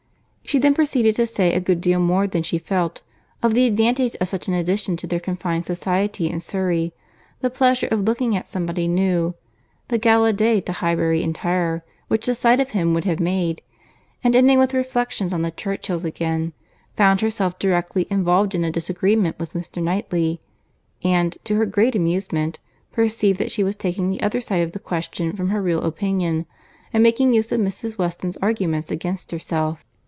She then proceeded to say a good deal more than she felt, of the advantage of such an addition to their confined society in Surry; the pleasure of looking at somebody new; the gala day to Highbury entire, which the sight of him would have made; and ending with reflections on the Churchills again, found herself directly involved in a disagreement with Mr. Knightley; and, to her great amusement, perceived that she was taking the other side of the question from her real opinion, and making use of Mrs. Weston's arguments against herself.